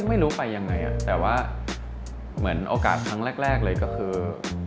ไม่รู้ไปยังไงแต่ว่าเหมือนโอกาสครั้งแรกเลยก็คือ